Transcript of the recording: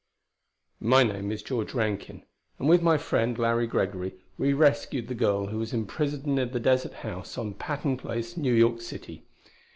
My name is George Rankin, and with my friend, Larry Gregory, we rescued the girl who was imprisoned in the deserted house on Patton Place, New York City.